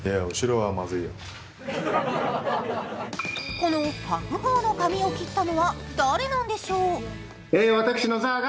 この白鵬の髪を切ったのは誰なんでしょう。